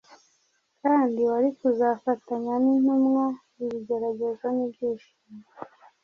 kandi wari kuzafatanya n’intumwa ibigeragezo n’ibyishimo